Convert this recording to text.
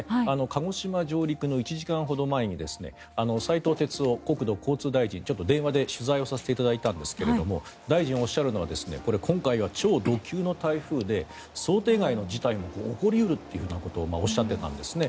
鹿児島上陸の１時間ほど前に斉藤鉄夫国土交通大臣に電話で取材させていただいたんですが大臣がおっしゃるのは今回は超ド級の台風で想定外の事態も起こり得るということもおっしゃっていたんですね。